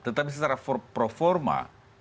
tetapi secara performa